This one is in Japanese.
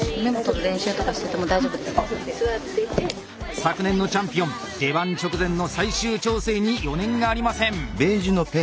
昨年のチャンピオン出番直前の最終調整に余念がありません。